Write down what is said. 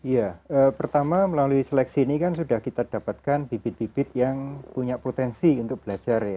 ya pertama melalui seleksi ini kan sudah kita dapatkan bibit bibit yang punya potensi untuk belajar ya